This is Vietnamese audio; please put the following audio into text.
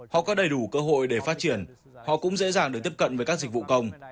họ có đầy đủ cơ hội để phát triển họ cũng dễ dàng được tiếp cận với các dịch vụ công